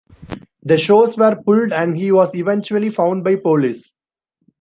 The shows were pulled and he was eventually found by police.